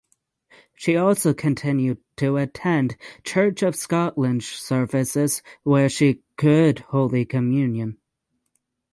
She also continued to attend Church of Scotland services where she could Holy Communion.